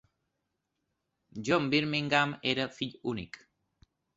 John Birmingham era fill únic.